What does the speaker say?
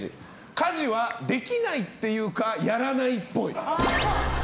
家事はできないっていうかやらないっぽい。